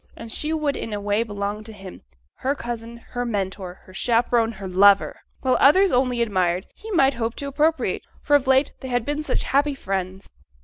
And she would in a way belong to him: her cousin, her mentor, her chaperon, her lover! While others only admired, he might hope to appropriate; for of late they had been such happy friends!